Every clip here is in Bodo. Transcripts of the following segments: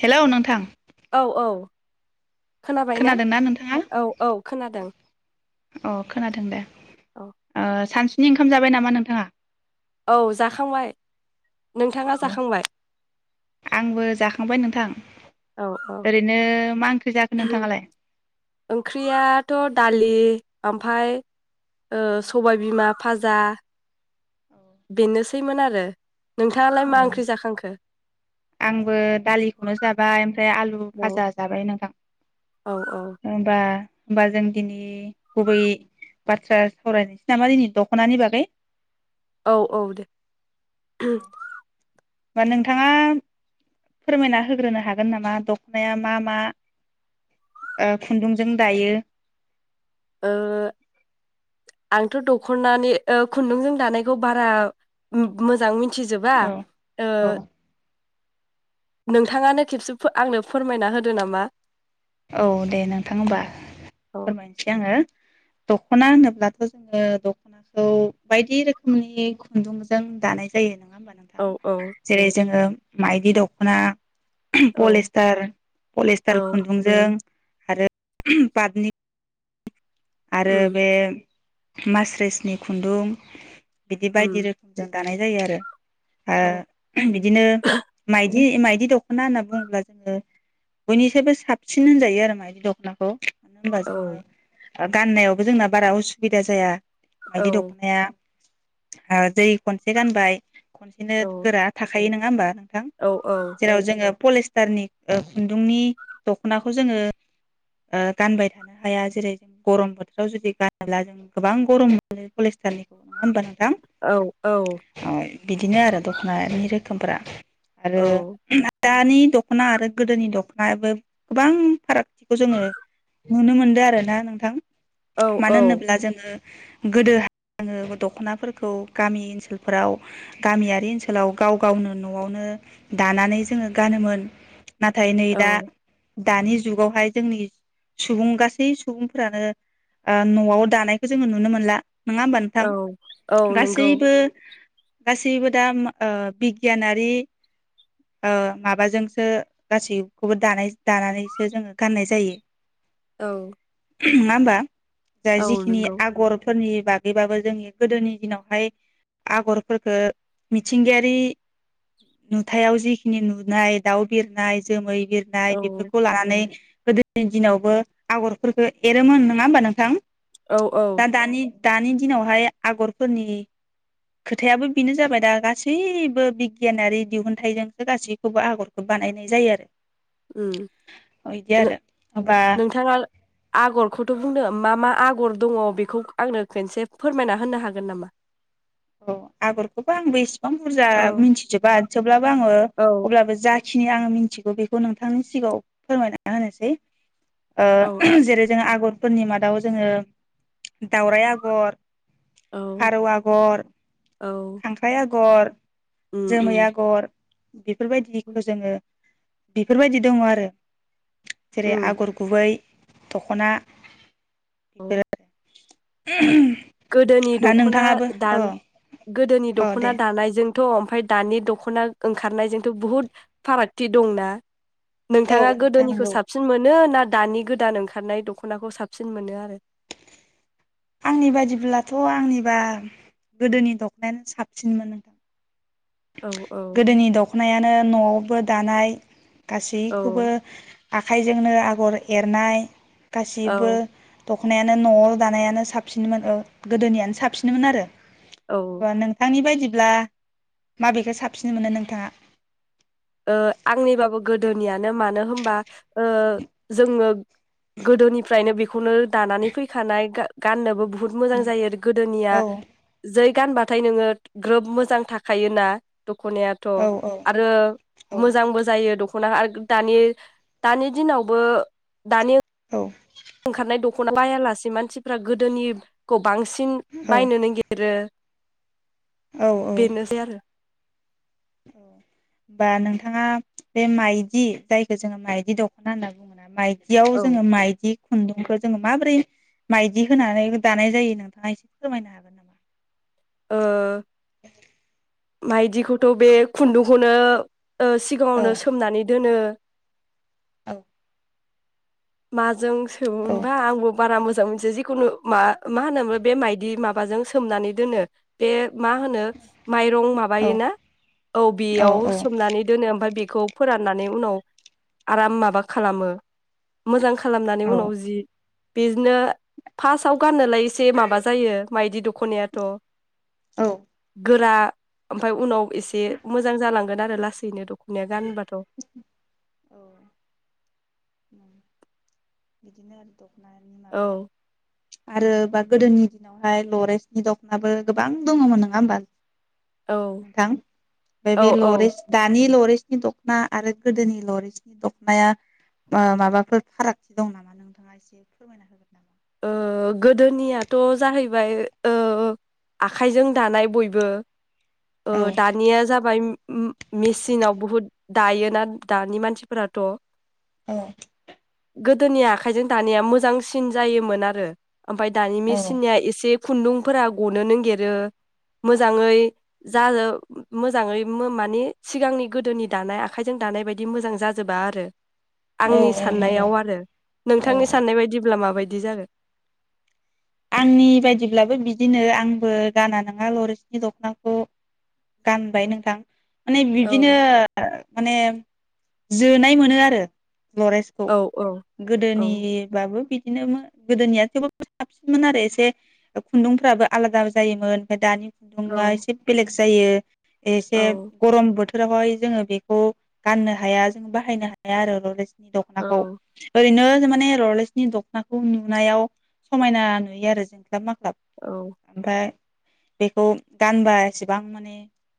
हेल' नोंथां औ औ खोनाबाय ना खोनादोंना नोंथाङा औ औ खोनादों। अ खोनादों दे। औ आ सानस बिनि ओंखाम जाबाय नामा नोंथाङा? औ जाखांबाय नोंथाङा अ जाखांबाय आंबो जाखांबाय नोंथां। औ औ ओरैनो मा ओंख्रि जाखो नोंथाङालाय ओंख्रियाथ' दालि ओमफ्राय ओ सबायबिमा भाजा बेनोसैमोन आरो नोंथाङालाय औ मा ओंख्रि जाखांखो? आंबो दालिखौनो जाबाय ओमफ्राय आलु औ फाजा जाबाय नोंथां औ औ होनबा होमबा जों दिनै गुबै बाथ्रा सावरायनोसै नामा दिनै दख'नानि बागै औ औ दे [unintelligible] होमबा नोंथाङा फोरमायना होग्रोनो हागोन नामा दख'नाया मा मा ओ खुन्दुंजों दायो? ओ आंथ' दख'नि ओ खुन्दुंजों दानायखौ बारा मोजां मिथि मिथिजोबा औ ओ औ नोंथाङानो खेबसे आंनो फोरमायना होदो नामा औ दे नोंथां होनबा औ फोरमायनोसै आङो दख'ना होनोब्लाथ' जोङो दख'नाखौ बायदि रोखोमनि खुन्दुंजों दानाय जायो नङा होमबा औ औ नोंथां जेरै जोङो माइदि दख'ना औ पलेस्टार पलिस्टार औ खुन ओं आरो पादनि आरो उम बे मासरेसनि खुन्दुं बिदि उम बायदि रोखोम जों दानाय जायो आरो औ ओ बिदिनो माइ दि माइदि दख'ना होनना बुङोब्ला जोङो बयनिसायबो साबसिन होनजायो आरो माइदि दख'नाखौ [unintelligible] होनबा औ जोङो गाननायावबो जोंना बारा असुबिदा जाया औ मायदि दख'नाया ओ दै खनसे गानबाय खनसेनो औ गोरा थाखायो नों ना होनबा थां औ जेराव जोङो पलिस्टारनि ओ खुन्दुंनि दख'नाखौ जोङो ओ गानबाय थानो हाया जेरै गरम बोथोराव जुदि गानोब्ला जों गोबां गरम मोनो पलिस्टारनिखौ नङा होनबा नों औ औ बिदिनो आरो दख'नानि रोखोमफ्रा औ आरो दानि दख'ना आरो गोदोनि दख'नायाबो गोबां फारागथिखौ जोङो नुनो मोनदों आरोना। थां मानो औ होनोब्ला जोङो गोदो आङो दख'नाफोरखौ गामि ओनसोलफोराव गामियारि ओनसोलाव गाव गावनो न'आवनो दानानै जोङो गानोमोन। नाथाय नै दा औ दानि जुगावहाय जोंनि सुबुं गासै सुबुं फोरानो ओ न'आव दानायखौ जोङो नुनो मोनला। नङा होमबा औ नोंथां औ नंगौ गासैबो गासैबो दा ओ बिगियानारि ओ माबाजोंसो गासैखौबो दानाय दानानैसो जोङो गाननाय जायो। औ नङा होमबा जा औ जिखिनि नंगौ आगर फोरनि बागैबाबो जोंनि गोदोनि दिनावहाय आगरफोरखो मिथिंगायारि नुथायाव जिखिनि नुनाय दाउ बिरनाय जोमै औ बिरनाय बेफोरखौ लानानै गोदोनि दिनावबो आगर फोरखो एरोमोन नङा होमबा नोंथां? औ औ दा दानि दानि दिनावहाय आगरफोरनि खोथायाबो बेनो जाबाय दा गासैबो बिगियानारि दिहुनथाइजोंसो गासैखौबो आगरखौ बानायनाय जायो आरो। उम बिदि ओ आरो होमबा नोंथाङा आगरखौथ' बुंनो मा मा आगर दङ बेखौ आंनो खनसे फोरमायना होनो हागोन नामा? औ आगरखौबो आंबो इसेबां बुरजा औ मिथिजोबा अब्लाबो आङो औ अब्लाबो जाखिनि खिनि आं मिथिगौ बेखौ नोंथांनि सिगाङाव फोरमायना होनोसै। औ ओ जेरै जों आगरफोरनि मादाव जोङो दावराइ आगर औ फारौ आगर औ खांख्राइ आगर उम जोमै उम आगर गे बेफोरबायदिखौ जोङो बेफोरबायदि दङ आरो जेरै उम आगर गुबै दख'ना [unintelligible] औ [unintelligible] गोदोनि दा दख'ना नोंथाङाबो औ दान गोदोनि औ दे दख'ना दानायजों थ ओमफ्राय दानि दख'ना ओंखारनायजोंथ' बुहुद फारागथि दंना औ नोंथाङा नोंथां गोदोनिखौ नंगौ साबसिन मोनो ना दानि गोदान ओंखारनाय दख'नाखौ साबसिन मोनो आरो आंनि बायिब्लाथ' आंनिबा गोदोनि दख'नायानो साबसिनमोन नोंथां औ औ गोदोनि दख'नायानो न'आव बो दानाय गासैखौबो औ आखाइजोंनो आगर एरनाय औ गासिबो द दख'नायानो न'आव दानायानो साबसिनमोन गोदोनियानो साबसिनमोन आरो औ अब्ला नोंथांनि बायदि ब्ला माबेखौ साबसिन मोनो नोंथाङा ओआंनिबाबो गोदोनियानो मानो होनबा ओ जोङो गोदोनिफ्रायनो बेखौनो दानानै फैखानाय गाननोबो बु हुत मोजां जायो गोदोनिया औ जै गानबाथाय नोङो ग्रोब मोजां थाखायोना दख'नायाथ' औ औ आरो औ मोजांबो जा यो दख'ना दानि दानि दिनावबो दानि [unintelligible] ओंखारनाय दख'ना बायालासे मानसिफ्रा गोदोनिखौ बांसिन औ बायनो नायगिरो बेनोसै आरो ओ होनबा नोंथाङा बे माइदि जायखौ जोङो माइदि दख'ना होनना बुङोना माइ दियाव औ जोङो माइदि खुनदुंखौ जोङो माबोरै माइदि होनानै दानाय जायो नोंथाङा एसे फोरमायनो हागोन नामा ओ [unintelligible] माइदिखौथ' बे खुनदुंखौनो ओ औ सिगाङावनो सोमनानै दोनो औ माजों सोमो औ मोनबा आंबो बारा मो जां मोनथिया जिखुनु मा मा होनोमोन बे माइदि माबाजों सोमनानै दोनो बे मा होनो माइरं माबायोना औ बेयाव सोमनानै दोनो ओमफ्राय बेखौ फोराननानै उनाव आराम माबा खालामो मोजां खालामनानै उनाव औ जि बिदिनो फार्स्टआव गाननोलाय एसे माबा जायो माइदि दख'नायाथ' औ गोरा ओमफ्राय उनाव एसे मोजां जालां [unintelligible] आरो लासैनो द ख'नाया गानबाथ' औ [unintelligible] बिदिनो आरो दख'नानि माबाया आरो बा गोदोनि दिनावहाय लरेन्सनि दखनाबो गोबां दङमोन नङा होमबा औ नोंथां ओमफ्राय औ बे औ लरेस दानि लरेस नि दख'ना आरो गोदोनि लरिसनि दख'नाया ओ माबाफोर फाराग दं नामा नोंथाङा एसे फोरमायना होगोन नामा ओ गोदोनियाथ' जाहैबाय ओ आखाइजों दानाय बयबो ओ औ दानिया जाबाय मेसिनाव बुहुद दायोना दानि मानसिफोराथ' औ गोदोनि आखाइजों दानाया मोजांसिन जायोमोन आरो ओमफ्राय दानि औ मेसिनिया एसे खुन्दुंफोरा गनो नागिरो मोजाङै जाजो मोजाङै मानि सिगांनि गोदोनि दानाय आखाइजों दानाय बायदि मोजां जाजोबा आरो औ आंनि औ नंगौ साननायाव आरो औ नोंथांनि औ साननाय बायदिब्ला माबायदि बिदि जागोन आंनि बायदिब्लाबो बिदिनो आंबो गाना नङा लरेसनि दख'नाखौ गानबाय नोंथां माने औ बिदिनो माने जोनाय मोनो आरो लरेन्सखौ औ औ औ गोदोनिबाबो बि बिदिनो गोदोनिया थेवबो [unintelligible] साबसिनमोन आरो एसे खुन्दुंफ्राबो आलादा जायोमोन ओमफ्राय दानि औ खुन्दुङा एसे बेलेग जायो एसे औ गरम बोथोर फोरावहाय जोङो बेखौ गाननो हाया जों बाहायनो हाया आरो लरे दख'नाखौ औ ओरैनो माने रलेजनि दख'नाखौ नुनायाव समायना नुयो आरो जों [unintelligible] मा क्लाब औ ओमफ्राय बेखौ गानबा एसेबां माने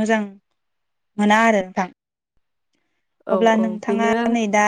मोजां मोना आरो नोंथां औ अब्ला औ नोंथाङा बेनो नै दा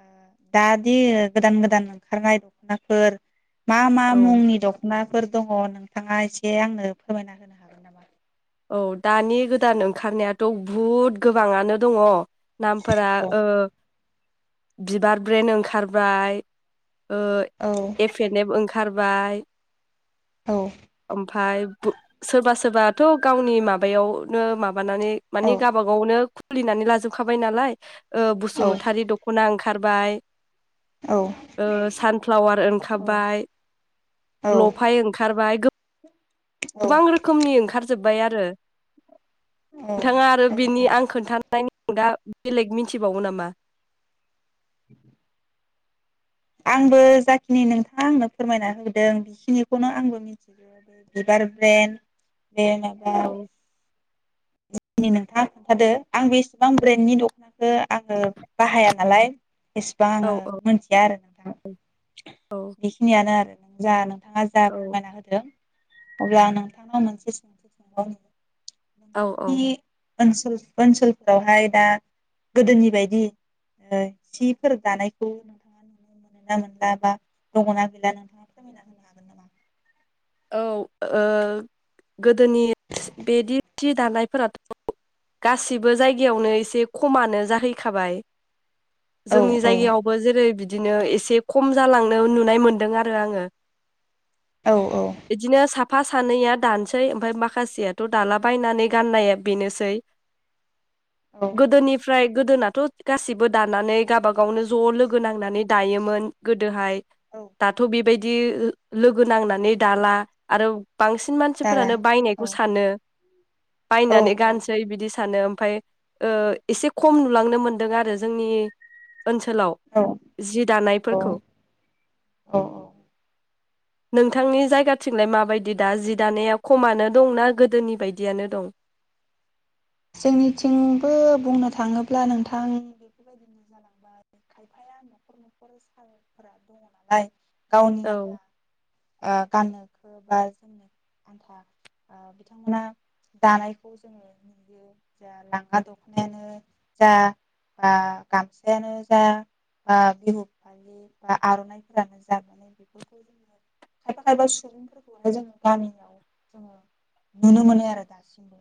ओ दादि गोदान गोदान ओंखारनाय दख'नाफोर मा मा औ मुंनि दख'ना फोर दङ नोंथाङा एसे आंनो फोरमायना होनो हागोन नामा औ दानि गोदान ओंखारनायाथ' बहुद गोबाङानो दङ नामफोरा औ ओ बिबार ब्रेन ओंखारबाय ओ औ एफ एन एफ ओंखार बाय औ ओमफ्राय सोरबा सोरबा थ' गावनि माबायावनो माबा माबानानै औ मानिे गावबा गावनो सुलिनानै लाजोबखाबाय नालाय ओ औ बसुमतारी दख'ना ओंखार खारबाय औ ओ सानफ्लावार ओंखारबाय औ लफाय ओंखारबाय गोबां रोखोमनि ओंखार जोब्बाय आरो औ नोंथाङा आरो बिनि औ आं खोन्थानो फ्राय न [inaudible] दा बेलेग मिथिबावो नामा [inaudible] आंबो जाखिनि नोंथाङा आंनो फोरमायना होदों बेखिनिखौनो आंबो मिथियो बे बिबार ब्रेेन दे माबा औ दिनि नोंथाङा खोन्थादो आं बेसेबां ब्रेन्डनि दख'नाखौ आङो बाहाया नालाय एसेबां औ आङो औ मोनथिया आरो नोंथां औ बेखिनियानो आरो जा नो नोंथाङा जा औ फोरमायना होदों अब्ला नोंथाङा मोनसे सोंथि [unintelligible] औ औ ओनसोल ओनसोलफोरावहाय दा गोदोनि बायदि ओ सिफोर दानायखौ नोंथाङा नुनो मोनो ना मोनला बा दङना गैला नोंथाङा फोरमायना होनो हागोन नामा? औ ओ गोदोनि बेदि सि दानायफोराथ' गासिबो जायगायावनो एसे खमानो जाहैखाबाय औ जोंनि औ जायगायावबो जेरै बिदि बिदिनो एसे खम जालांनो नुनाय मोनदों आरो आङो औ बिदिनो साफ साफा सानैया दानसै ओमफफ्राय माखासेयाथ' दालाबायनानै गाननाया बेनोसै औ गोदोनिफ्राय गोदोनाथ' गासिबो दानानै गावाबागावनो ज' लोगो नांनानै दायोमोन गोदोहाय औ दाथ' बेबायदि लोगो नांनानै दाला आरो बांसिन दारा मानसिफोरानो बायनायखौ औ सानो औ बायनानै औ गानसै बिदि नो ओमफ्राय ओ एसे खम नुलांनो मोनदों आरो जोंनि ओनसोलाव औ जि औ दानायफोरखौ औ औ नोंथांनि जायगाथिंलाय माबायदि दा जि दानाया खमनो दंना गोदोनि बायदियानो दं? जोंनिथिंबो बुंनो थाङोल्बा नोंथां [unintelligible] गावनि औ आथा ओ गाननोखौ बा जोमनो आन्था बिथांमोना जानायखौ जोङो नुयो जा लांगा दखनायानो जा ब गामसायानो जा बिहु फालि बा आर'नाइफोरानो जा खायफा खायफा सुबुंफोरखौलाय जोङो गामियाव जोङो नुनो मोनो आरो दासिमबो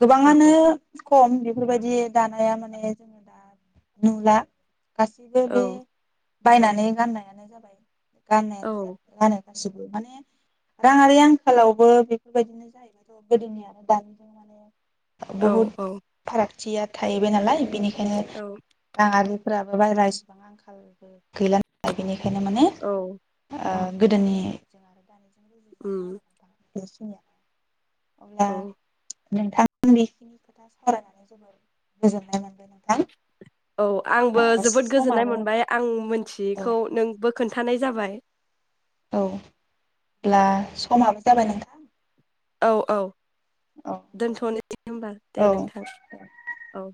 गोबाङानो खम बेफोरबायदि दानि नाया माने जोङो दा नुला गसिबो बे औ बायनानै गाननायानो जाबाय गाननाया औ जा लानाय गाससिबो माने राङारि आंखालावबो बेफोरबायदिनो जाहैबायाथ' गोदोनिजों दानिजों माने औ बहुत औ फाराग जिया थाहैबाय नालाय बिनिखाय नो राङारिफोरा बाहेरासिबां आंखालबो गैला नालाय बेनिखाय बेखायनो माने औ दा गोदोनि ओम गोसे अब्ला औ नोंथां बेखिनि खोथा सावरायनानै जोबोर गोजोननाय मोनदों नोंथां औ आंबो ओ जोबोद गोजोननाय समाबो मोनबाय आं मिथि औ बेखौ नोंबो खोन्थानाय जाबाय औ होनब्ला समाबो जाबाय नोंथां औ औ औ दे दोनथ'नोसै होनोमबा दे औ नोंथां औ